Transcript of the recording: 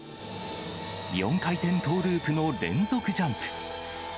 ４回転トーループの連続ジャンプ。